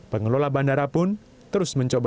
pengelola bandara pun terus mencoba